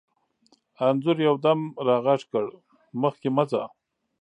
انځور یو دم را غږ کړ: مخکې مه ځه.